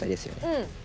うん。